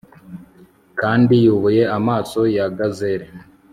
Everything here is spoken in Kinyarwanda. kandi, yubuye amaso ya gazelle